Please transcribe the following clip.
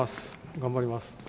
頑張ります。